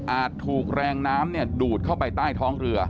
ถูกแรงน้ำดูดเข้าไปใต้ท้องเรือ